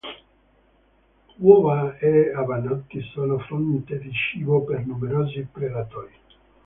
Uova e avannotti sono fonte di cibo per numerosi predatori.